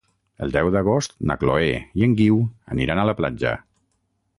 El deu d'agost na Chloé i en Guiu aniran a la platja.